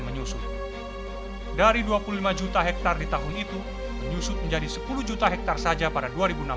menyusut dari dua puluh lima juta hektare di tahun itu menyusut menjadi sepuluh juta hektare saja pada dua ribu enam belas